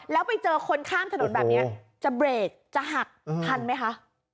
แล้วไปเจอคนข้ามถนนแบบนี้จะเบรกจะหักทันไหมคะ